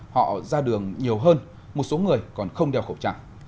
họ ra đường nhiều hơn một số người còn không đeo khẩu trang